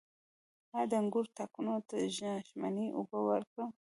آیا د انګورو تاکونو ته ژمنۍ اوبه ورکړم؟